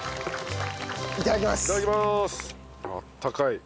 いただきます。